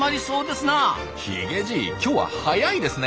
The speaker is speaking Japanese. ヒゲじい今日は早いですね。